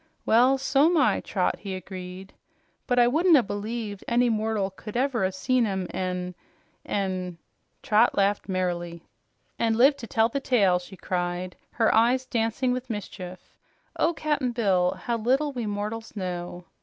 "Well, so'm I, Trot," he agreed. "But I wouldn't 'a' believed any mortal could ever 'a' seen 'em an' an' " Trot laughed merrily. "An' lived to tell the tale!" she cried, her eyes dancing with mischief. "Oh, Cap'n Bill, how little we mortals know!"